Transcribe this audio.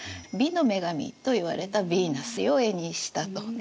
美の女神といわれた「ヴィーナス」を絵にしたと。